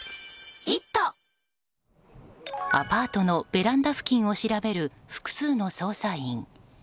アパートのベランダ付近を調べる複数の捜査員。